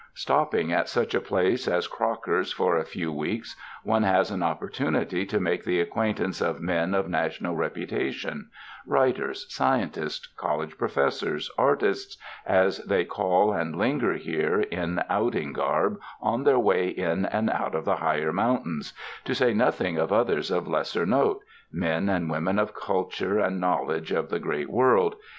Stopping at such a place as Crocker's for a few weeks, one has an opportunity to make the acquaint ance of men of national reputation — writers, scien tists, college professors, artists — as they call and linger here in outing garb on their way in and out of the higher mountains; to say nothing of others of lesser note, men and women of culture and knowl edge of the great world.